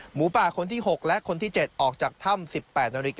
หมูป่าคนที่๖และคนที่๗ออกจากถ้ำ๑๘นาฬิกา